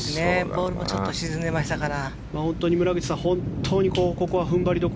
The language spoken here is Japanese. ボールちょっと沈んでいましたから。